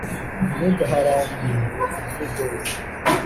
Ntugaharanire imvugo ye